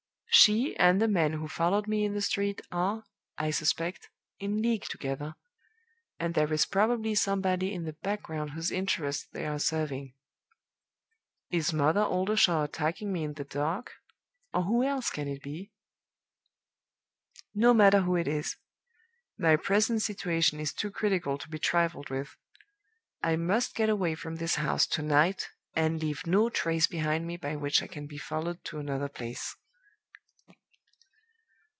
She and the man who followed me in the street are, I suspect, in league together; and there is probably somebody in the background whose interests they are serving. Is Mother Oldershaw attacking me in the dark? or who else can it be? No matter who it is; my present situation is too critical to be trifled with. I must get away from this house to night, and leave no trace behind me by which I can be followed to another place."